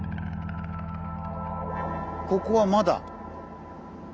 ここはまだ。